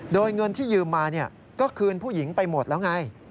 โดยเงินที่ยืมมาก็คืนผู้หญิงไปหมดแล้วไง